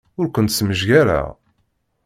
Ur kent-smejgareɣ.